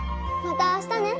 またあしたね。